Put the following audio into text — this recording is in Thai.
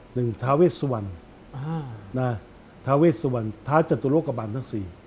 หนึ่งทาเวสสุวรรณทาเจตุโรคบรรณทั้ง๔